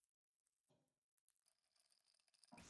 افغانستان تر هغو نه ابادیږي، ترڅو کتابتونونه اباد نشي.